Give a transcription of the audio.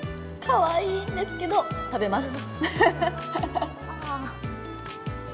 かわいいんですけど、食べます。